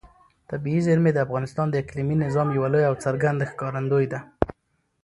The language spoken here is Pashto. طبیعي زیرمې د افغانستان د اقلیمي نظام یوه لویه او څرګنده ښکارندوی ده.